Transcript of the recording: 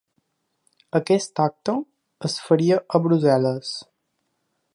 Aquest acte es faria a Brussel·les.